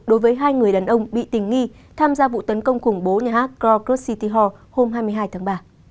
đối với hai người đàn ông bị tình nghi tham gia vụ tấn công khủng bố nhà hát krocus city hor hôm hai mươi hai tháng ba